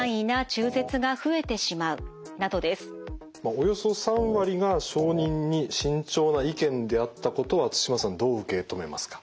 およそ３割が承認に慎重な意見であったことは対馬さんどう受け止めますか？